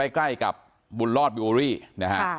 ใกล้กับบุญรอดบิโอรี่นะฮะ